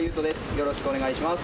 よろしくお願いします。